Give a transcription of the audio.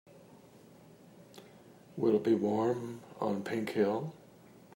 Will it be warm on Pink Hill?